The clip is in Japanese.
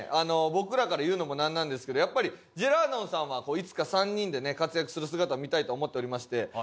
僕らから言うのもなんなんですけどやっぱりジェラードンさんはいつか３人でね活躍する姿を見たいと思っておりまして。